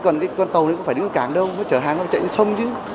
còn cái con tàu nó không phải đứng ở cảng đâu nó chở hàng nó chạy trên sông chứ